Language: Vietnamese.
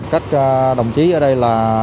các đồng chí ở đây